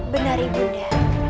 benar ibu bunda